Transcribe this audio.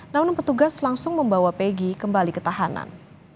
namun petugas langsung membawa peggy kembali ke tahanan